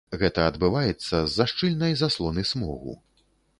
Гэта адбываецца з-за шчыльнай заслоны смогу.